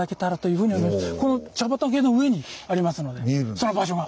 その場所が。